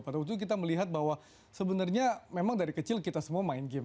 pada waktu itu kita melihat bahwa sebenarnya memang dari kecil kita semua main game